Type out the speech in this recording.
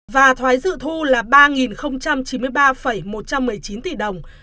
và thoái dự thu là ba chín mươi ba một trăm một mươi chín tỷ đồng